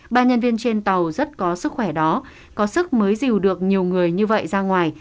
ba nhân viên trên tàu rất có sức khỏe đó có sức mới dìu được nhiều người như vậy ra ngoài